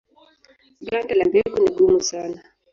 Ganda la mbegu ni gumu sana.